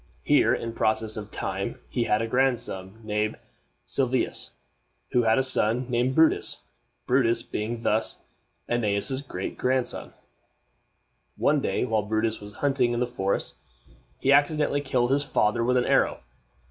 Here, in process of time, he had a grandson named Silvius, who had a son named Brutus, Brutus being thus Æneas's great grandson. One day, while Brutus was hunting in the forests, he accidentally killed his father with an arrow.